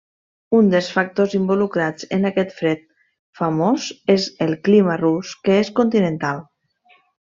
Un dels factors involucrats en aquest fred famós és el clima rus, que és continental.